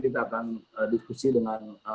kita akan diskusi dengan